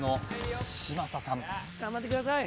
頑張ってください！